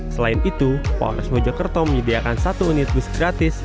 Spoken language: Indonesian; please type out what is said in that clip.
selain itu polres mojokerto menyediakan satu unit bus gratis